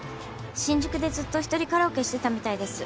新宿でずっと一人カラオケしてたみたいです。